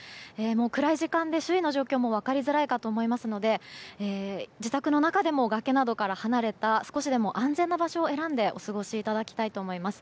暗い時間で周囲の状況も分かりづらいかと思いますので自宅の中でも崖などから離れた少しでも安全な場所を選んでお過ごしください。